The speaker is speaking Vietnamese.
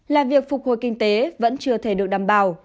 là việc phục hồi kinh tế vẫn chưa thể được đảm bảo